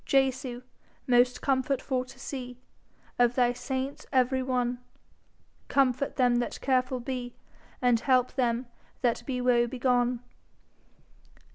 Jesu, most comfort for to see Of thy saints every one, Comfort them that careful be, And help them that be woe begone.